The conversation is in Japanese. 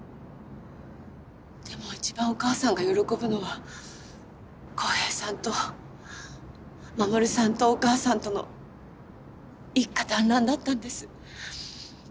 でも一番お義母さんが喜ぶのは公平さんと守さんとお義母さんとの一家団らんだったんです。